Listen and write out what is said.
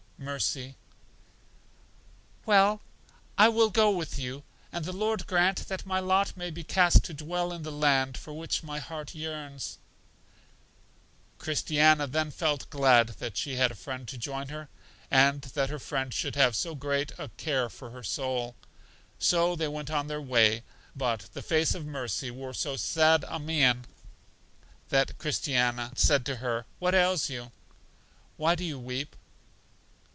Mercy: Well, I will go with you, and the Lord grant that my lot may be cast to dwell in the land for which my heart yearns. Christiana then felt glad that she had a friend to join her, and that her friend should have so great a care for her soul. So they went on their way; but the face of Mercy wore so sad a mien that Christiana said to her, What ails you? Why do you weep?